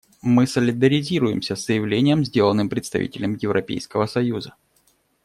Мы солидаризируемся с заявлением, сделанным представителем Европейского союза.